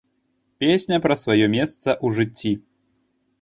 Песня пра сваё месца ў жыцці.